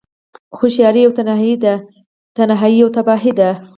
هوښياری يوه تنهايی ده، تنهايی يوه تباهی ده